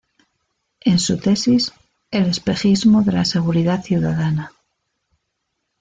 En su tesis "El espejismo de la seguridad ciudadana.